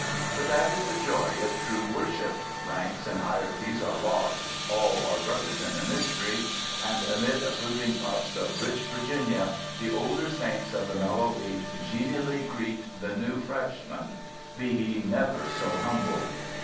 But that is the joy of true worship: ranks and hierarchies are lost, all are brothers in the mystery, and amid approving puffs of rich Virginia the older saints of the mellow leaf genially greet the new freshman, be he never so humble.